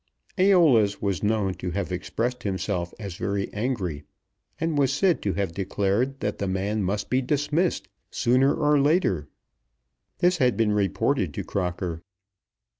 Æolus was known to have expressed himself as very angry, and was said to have declared that the man must be dismissed sooner or later. This had been reported to Crocker.